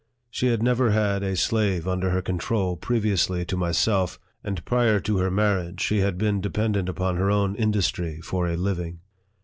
She had never had a slave under her control previously to myself, and prior to her marriage she had been dependent upon her own industry for a living.